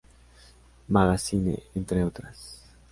Magazine", entre otras.